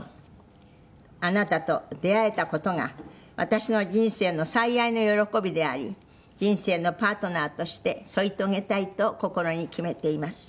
「あなたと出会えた事が私の人生の最大の喜びであり人生のパートナーとして添い遂げたいと心に決めています」